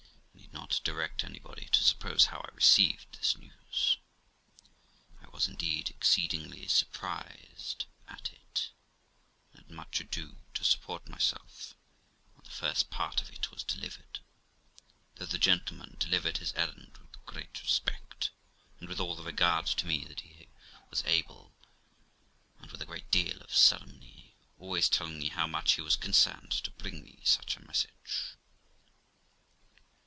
I need not direct anybody to suppose how I received this news. I was '7 THE LIFE OF ROXANA indeed exceedingly surprised at it, and had much ado to support myself when the first part of it was delivered, though the gentleman delivered his errand with great respect, and with all the regard to me that he was able, and with a great deal of ceremony, also telling me how much he was concerned to bring me such a message.